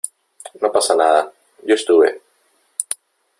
no pasa nada , yo estuve .